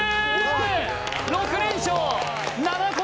６連勝